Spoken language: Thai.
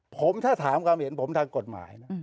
ผมถ้าถามความเห็นผมทางกฎหมายนะ